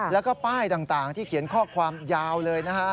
แล้วก็ป้ายต่างที่เขียนข้อความยาวเลยนะฮะ